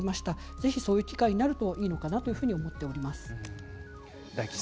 ぜひ、そういう機会になるといいのかなと思っております。